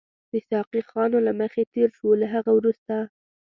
د ساقي خانو له مخې تېر شوو، له هغه وروسته.